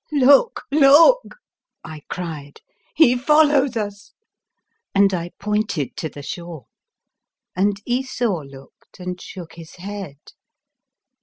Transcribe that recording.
" Look, look!" I cried, " he follows us!" and I pointed to the shore, and Esau looked and shook his head.